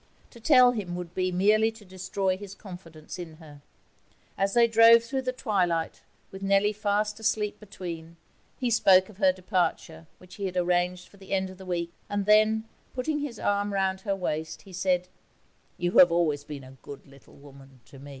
To tell him would be merely to destroy his confidence in her. As they drove through the twilight, with Nellie fast asleep between, he spoke of her departure, which he had arranged for the end of the week, and then, putting his arm round her waist, he said: 'You have always been a good little woman to me.'